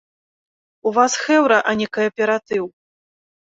У вас хэўра, а не кааператыў!